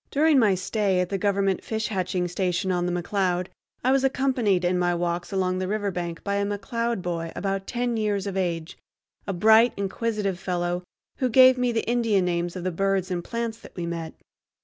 During my stay at the Government fish hatching station on the McCloud I was accompanied in my walks along the riverbank by a McCloud boy about ten years of age, a bright, inquisitive fellow, who gave me the Indian names of the birds and plants that we met.